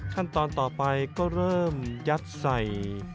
ขั้นตอนต่อไปก็เริ่มยัดใส่